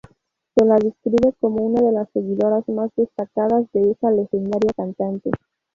Se la describe como una de las seguidoras más destacadas de esa legendaria cantante.